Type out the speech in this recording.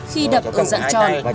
khi đập ở dạng tròn